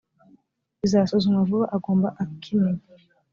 bizasuzumwa vuba agomba akimenya